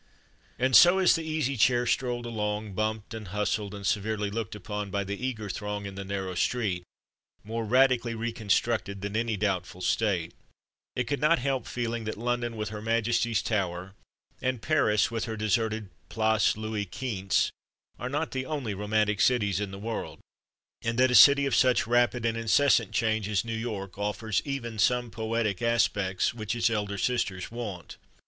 And so, as the Easy Chair strolled along, bumped and hustled and severely looked upon by the eager throng in the narrow street, more radically reconstructed than any doubtful State, it could not help feeling that London with Her Majesty's Tower, and Paris with her deserted Place Louis Quinze, are not the only romantic cities in the world, and that a city of such rapid and incessant change as New York offers even some poetic aspects which its elder sisters want.